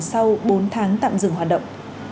sau bốn tháng tạm dừng hoạt động